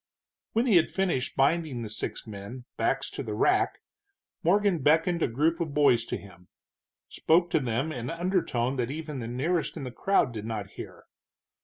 When he had finished binding the six men, backs to the rack, Morgan beckoned a group of boys to him, spoke to them in undertone that even the nearest in the crowd did not hear.